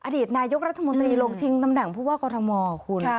อดีตนายกรัฐมนตรีลงชิงตำแหน่งผู้ว่ากรทมคุณ